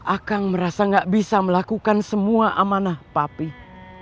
akang merasa gak bisa melakukan semua amanah papih